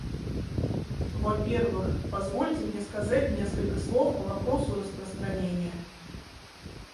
Во-первых, позвольте мне сказать несколько слов по вопросу распространения.